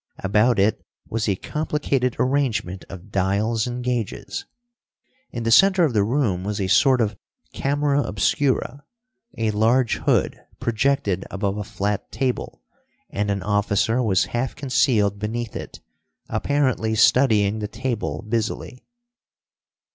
About it was a complicated arrangement of dials and gauges. In the centre of the room was a sort of camera obscura. A large hood projected above a flat table, and an officer was half concealed beneath it, apparently studying the table busily.